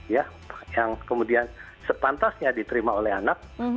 ya yang kemudian sepantasnya diterima oleh anak